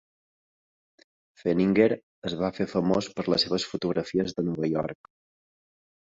Feininger es va fer famós per les seves fotografies de Nova York.